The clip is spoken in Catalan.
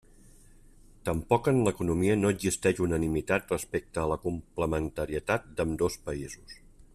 Tampoc en l'economia no existeix unanimitat respecte a la complementarietat d'ambdós països.